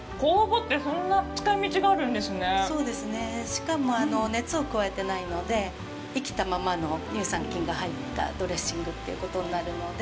しかも、熱を加えていないので生きたままの乳酸菌が入ったドレッシングということになるので。